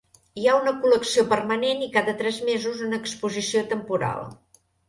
Hi ha una col·lecció permanent i cada tres mesos una exposició temporal.